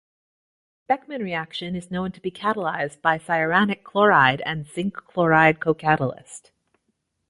Beckmann reaction is known to be catalyzed by cyanuric chloride and zinc chloride co-catalyst.